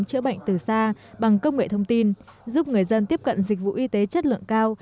chữa bệnh từ xa bằng công nghệ thông tin giúp người dân tiếp cận dịch vụ y tế chất lượng cao